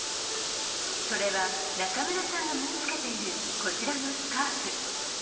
それは中村さんが身に着けているこちらのスカーフ。